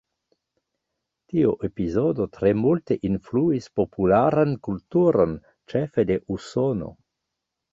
Tio epizodo tre multe influis popularan kulturon, ĉefe de Usono.